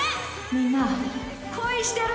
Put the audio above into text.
みんな恋してる？